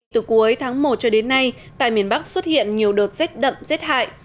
từ cuối tháng một cho đến nay tại miền bắc xuất hiện nhiều đợt rách đậm rách hại